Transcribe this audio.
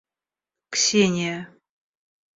Ксения